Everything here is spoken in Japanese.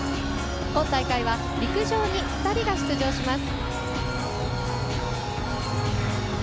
今大会は陸上に２人が出場します。